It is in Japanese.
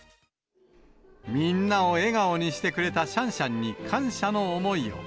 みんなを笑顔にしてくれたシャンシャンに感謝の思いを。